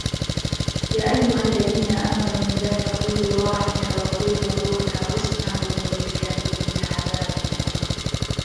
يَا أَيُّهَا الَّذِينَ آمَنُوا لَا تَقُولُوا رَاعِنَا وَقُولُوا انْظُرْنَا وَاسْمَعُوا ۗ وَلِلْكَافِرِينَ عَذَابٌ أَلِيمٌ